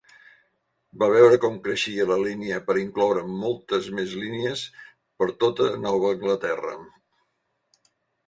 Va veure com creixia la línia per incloure moltes més línies per tota Nova Anglaterra.